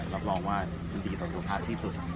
รับรองว่ามันดีกว่าผลิตภัณฑ์ที่สุด